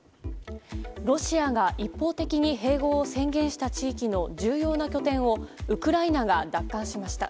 ロシアが一方的に併合を宣言した地域の重要な拠点をウクライナが奪還しました。